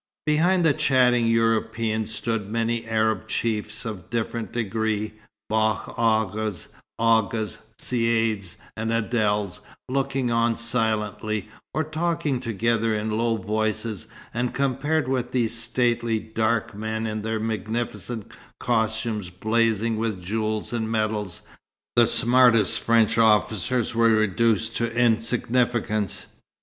Behind the chatting Europeans stood many Arab chiefs of different degree, bach aghas, aghas, caïds and adels, looking on silently, or talking together in low voices; and compared with these stately, dark men in their magnificent costumes blazing with jewels and medals, the smartest French officers were reduced to insignificance.